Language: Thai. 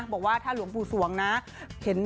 บอกว่าถ้าหลวงปู่สวงนะ